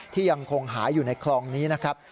ยังคงหายอยู่ในคลองนี้นะครับ